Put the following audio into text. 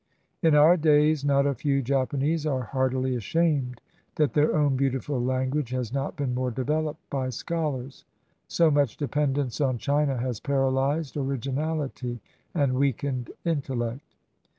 In our days not a few Japanese are heartily ashamed that their own beautiful language has not been more developed by scholars. So much dependence on China has paralyzed originality and weakened intellect.